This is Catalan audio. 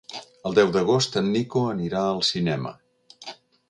El deu d'agost en Nico anirà al cinema.